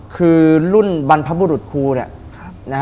คือรุ่นบรรพบุรุษครูเนี่ยนะฮะ